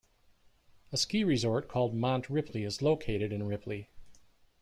A ski resort called Mont Ripley is located in Ripley.